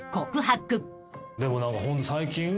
でも何かホント最近。